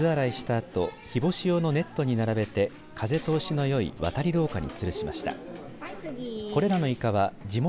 あと日干し用のネットに並べて風通しのよい渡り廊下につるしました。